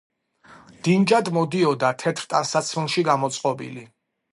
დინჯად მოდიოდა თეთრ ტანსაცმელში გამოწყობილი.